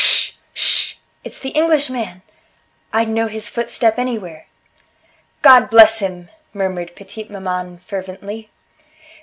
sh!... It's the Englishman. I'd know his footstep anywhere " "God bless him!" murmured petite maman fervently.